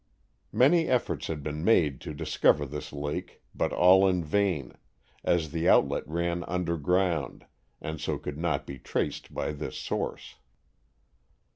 Many efforts had been made to dis cover this lake, but all in vain, as the out let ran underground and so could not be traced by this source.